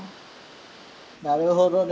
なるほどね。